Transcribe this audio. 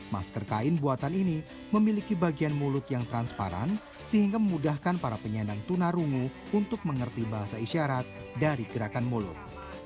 masker kain buatan ini memiliki bagian mulut yang transparan sehingga memudahkan para penyandang tunarungu untuk mengerti bahasa isyarat dari gerakan mulut